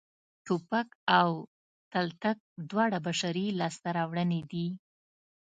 ټوپک او تلتک دواړه بشري لاسته راوړنې دي